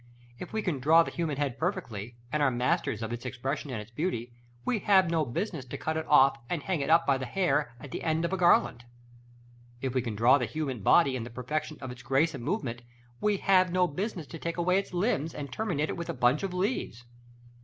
If we can draw the human head perfectly, and are masters of its expression and its beauty, we have no business to cut it off, and hang it up by the hair at the end of a garland. If we can draw the human body in the perfection of its grace and movement, we have no business to take away its limbs, and terminate it with a bunch of leaves.